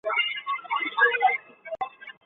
初时名为冈山新田藩。